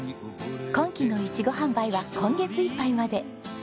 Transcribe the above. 今期のイチゴ販売は今月いっぱいまで。